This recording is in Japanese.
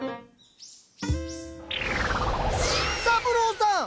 三郎さん